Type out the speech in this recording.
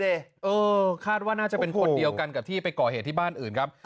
เออคาดว่าน่าจะเป็นคนเดียวกันกับที่ไปก่อเหตุที่บ้านอื่นครับ